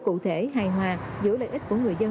cụ thể hài hòa giữa lợi ích của người dân